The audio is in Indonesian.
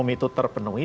umum itu terpenuhi